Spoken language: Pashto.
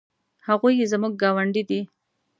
هغوی زموږ ګاونډي دي